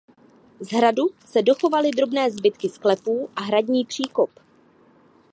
Z hradu se dochovaly drobné zbytky sklepů a hradní příkop.